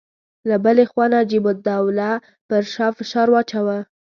له بلې خوا نجیب الدوله پر شاه فشار اچاوه.